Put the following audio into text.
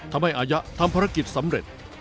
อายะทำภารกิจสำเร็จ